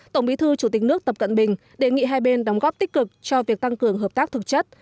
tổng bí thư chủ tịch nước tập cận bình đề nghị hai bên đóng góp tích cực cho việc tăng cường hợp tác thực chất